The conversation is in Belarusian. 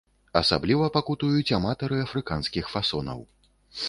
Асабліва пакутуюць аматары афрыканскіх фасонаў.